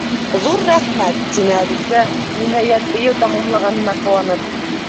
—Ҙур рәхмәт, —тине Әлисә, ниһайәт, бейеү тамамланғанына ҡыуанып.